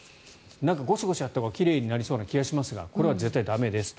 ごしごしやったほうが奇麗になる気がしますがこれは絶対に駄目ですと。